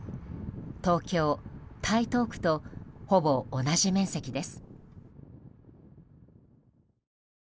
東京・台東区とほぼ同じ面積です。